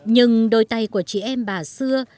nhưng đôi tay của chị em bà xưa